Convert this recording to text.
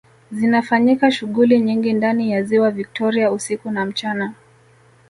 Zinafanyika shughuli nyingi ndani ya ziwa Viktoria usiku na mchana